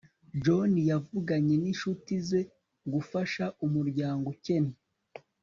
john yavuganye n'inshuti ze gufasha umuryango ukennye